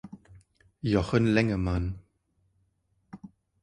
Jochen Lengemann.